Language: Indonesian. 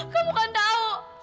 kamu kan tahu